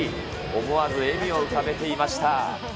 思わず笑みを浮かべていました。